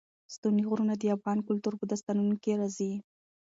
ستوني غرونه د افغان کلتور په داستانونو کې راځي.